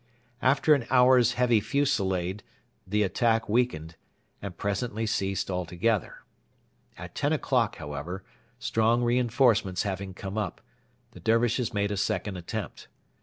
After an hour's heavy fusillade the attack weakened, and presently ceased altogether. At ten o'clock, however, strong reinforcements having come up, the Dervishes made a second attempt.